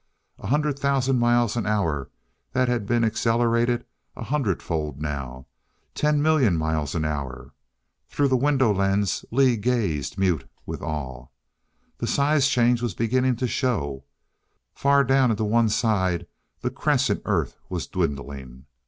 A hundred thousand miles an hour that had been accelerated a hundred fold now. Ten million miles an hour.... Through the window lens Lee gazed, mute with awe. The size change was beginning to show! Far down, and to one side the crescent Earth was dwindling